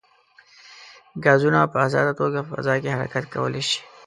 ګازونه په ازاده توګه په فضا کې حرکت کولی شي.